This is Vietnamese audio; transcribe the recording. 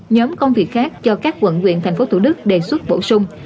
một mươi nhóm công việc khác cho các quận nguyện thành phố thủ đức đề xuất bổ sung